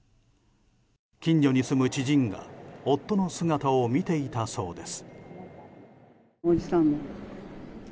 近所に住む知人が夫の姿を見ていたそうです。